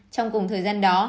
trong cùng thời gian đó